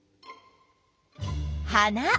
花。